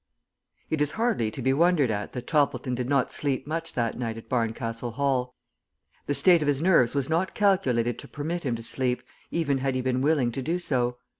IT is hardly to be wondered at that Toppleton did not sleep much that night at Barncastle Hall. The state of his nerves was not calculated to permit him to sleep even had he been willing to do so.